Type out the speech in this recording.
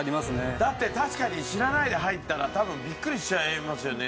だって確かに知らないで入ったら多分ビックリしちゃいますよね